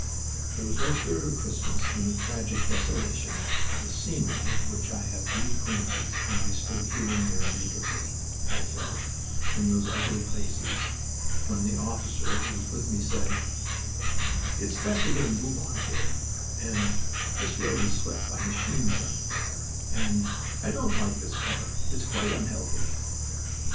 There was no spirit of Christmas in the tragic desolation of the scenery of which I had brief glimpses when I stood here and there nakedly (I felt) in those ugly places, when the officer who was with me said, "It's best to get a move on here," and, "This road is swept by machine gun fire," and, "I don't like this corner; it's quite unhealthy."